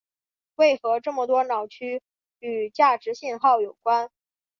为何这么多脑区与价值信号有关。